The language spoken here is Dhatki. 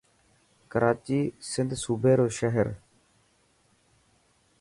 ڪراچي سنڌ صوبي رو شهر.